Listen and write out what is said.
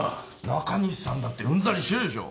中西さんだってうんざりしてるでしょ？